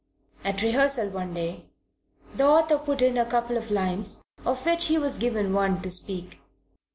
At rehearsal one day the author put in a couple of lines, of which he was given one to speak.